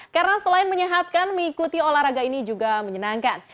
karena selain menyehatkan mengikuti olahraga ini juga menyenangkan